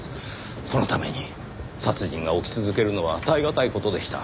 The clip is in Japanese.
そのために殺人が起き続けるのは耐えがたい事でした。